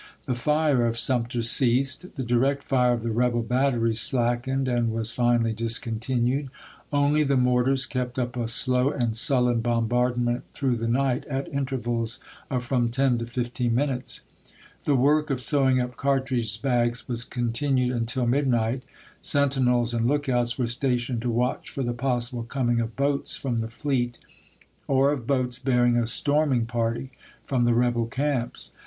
The fire of Sumter ceased ; the direct fire of the rebel batteries slackened, and was finally discontinued ; only the mortars kept up a slow and sullen bombardment through the night at intervals of from ten to fifteen minutes. The work of sewing up cartridge bags was continued until midnight ; sentinels and lookouts were stationed to watch for the possible coming of boats from the fleet — or of boats bearing a storming party from the rebel camps.